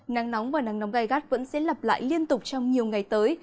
nắng nóng và nắng nóng gai gắt vẫn sẽ lặp lại liên tục trong nhiều ngày tới